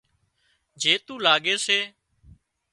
جيتُو لاڳي سي